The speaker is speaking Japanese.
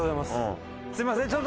すみません